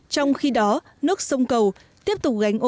trong khi đó nước sông cầu tiếp tục gánh ô nhiễm mỗi ngày